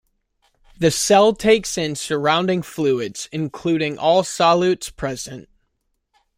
The cell takes in surrounding fluids, including all solutes present.